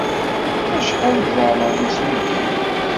Acḥal deg leɛmeṛ-nnes uydi-nnek?